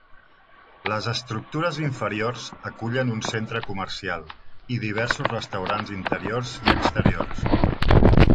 Les estructures inferiors acullen un centre comercial i diversos restaurants interiors i exteriors.